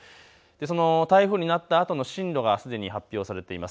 その台風になったあとの進路がすでに発表されています。